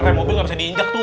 remobil gak bisa diinjak tuh